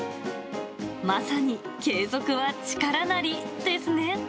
まさに継続は力なり、ですね。